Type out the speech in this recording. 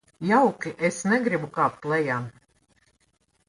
Jauki, es negribu kāpt lejā.